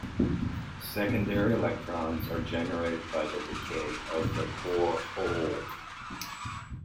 Secondary electrons are generated by the decay of the core hole.